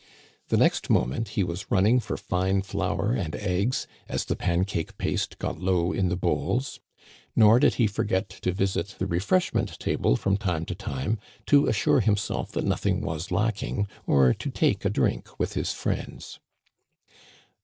The next moment he was running for fine flour and eggs, as the pancake paste got low in the bowls ; nor did he forget to visit the refreshment table from time to time to assure him self that nothing was lacking, or to take a drink with his friends.